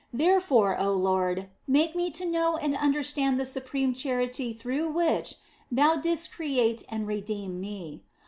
Therefore, oh Lord, make me to know and understand the supreme charity through which Thou didst create and redeem me.